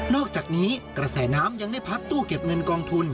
อกจากนี้กระแสน้ำยังได้พัดตู้เก็บเงินกองทุน